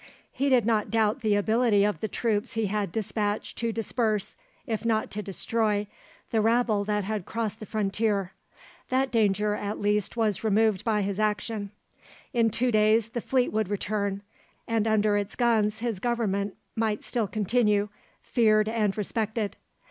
He did not doubt the ability of the troops he had despatched to disperse, if not to destroy, the rabble that had crossed the frontier. That danger at least was removed by his action. In two days the fleet would return, and under its guns his Government might still continue, feared and respected.